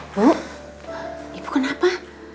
bu ibu kenapa